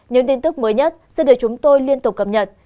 những tin tức mới nhất sẽ được chúng tôi liên tục cập nhật